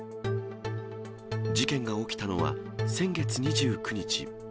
事件が起きたのは、先月２９日。